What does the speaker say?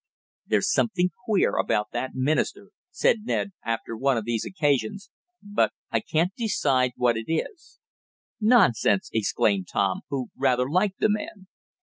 "There's something queer about that minister," said Ned after one of these occasions, "but I can't decide what it is." "Nonsense!" exclaimed Tom, who rather liked the man.